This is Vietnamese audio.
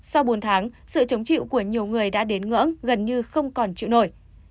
sau bốn tháng sự chống chịu của nhiều người đã đến ngưỡng gần như không còn chịu nổi